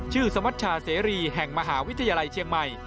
สมัชชาเสรีแห่งมหาวิทยาลัยเชียงใหม่